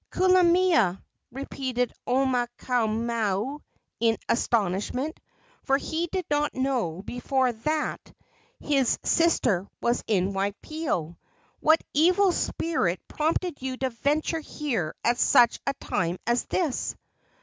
"Kulamea!" repeated Omaukamau, in astonishment, for he did not know before that his sister was in Waipio. "What evil spirit prompted you to venture here at such a time as this?"